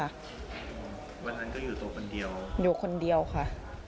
วันนั้นก็อยู่ตัวคนเดียวอยู่คนเดียวค่ะ